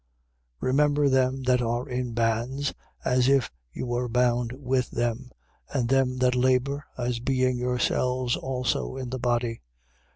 13:3. Remember them that are in bands, as if you were bound with them: and them that labour, as being yourselves also in the body.